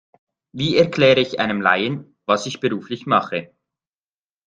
Wie erkläre ich einem Laien, was ich beruflich mache?